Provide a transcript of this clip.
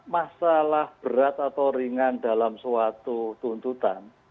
masalah berat atau ringan dalam suatu tuntutan